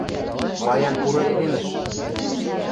Паян пуры эдемӹш!..